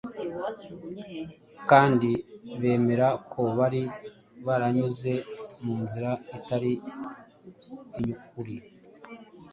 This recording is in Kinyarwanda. kandi bemera ko bari baranyuze mu nzira itari iy’ukuri.